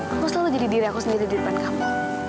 aku selalu jadi diri aku sendiri di depan kamu